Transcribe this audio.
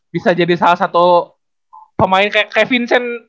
bisa jadi salah satu pemain kayak kevincent